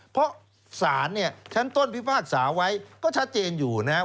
เพราะสารเนี่ยชั้นต้นพิพากษาไว้ก็ชัดเจนอยู่นะครับ